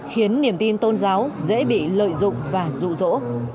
khiến niềm tin tôn giáo dễ bị lợi dụng và rụ rỗ